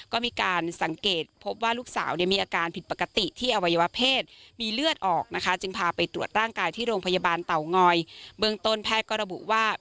ก็มีการสังเกตพบว่าลูกสาวมีอาการผิดปกติที่อวัยวเพศมีเลือดออกนะคะ